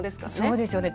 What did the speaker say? そうですよね。